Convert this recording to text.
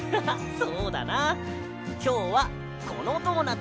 そうだな。